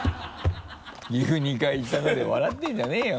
「岐阜２回行ったな」で笑ってるんじゃねぇよ